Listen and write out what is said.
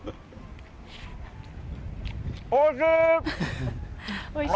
おいしい！